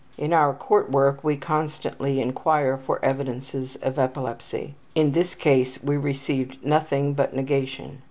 In our court work we constantly inquire for evidences of epilepsy; in this case we received nothing but negation.